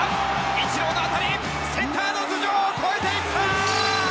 イチローの当たりセンターの頭上を越えていった！